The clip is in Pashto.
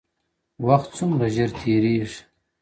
وخت څومره ژر تېرېږي